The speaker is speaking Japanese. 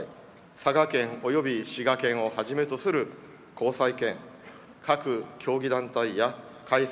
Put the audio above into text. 佐賀県及び滋賀県をはじめとする後催県、各競技団体や開催